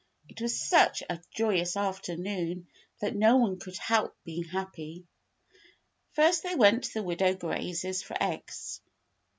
It was such a joyous afternoon that no one could help being happy. First they went to the widow Gray's for eggs.